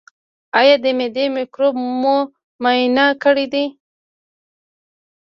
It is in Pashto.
ایا د معدې مکروب مو معاینه کړی دی؟